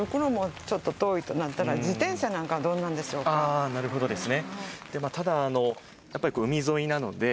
ああなるほどですね。